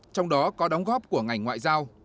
trong đó có đóng góp của ngành ngoại giao